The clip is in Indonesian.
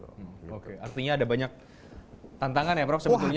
oke artinya ada banyak tantangan ya prof sebetulnya